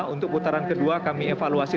untuk putaran kedua kami evaluasi